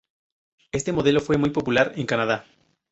Este modelo fue muy popular en Canadá.